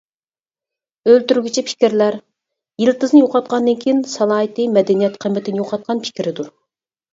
«ئۆلتۈرگۈچى پىكىرلەر» :-يىلتىزىنى يوقاتقاندىن كېيىن-سالاھىيىتى مەدەنىيەت قىممىتىنى يوقاتقان پىكرىدۇر.